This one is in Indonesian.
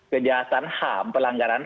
kejahatan ham pelanggaran